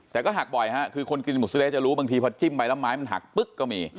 แต่ก็หักบ่อยฮะคือคนกินหมูสะเต๊จะรู้บางทีพอจิ้มไปแล้วไม้มันหักปึ๊กก็มี